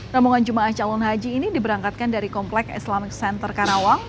rombongan jemaah calon haji ini diberangkatkan dari kompleks islamic center karawang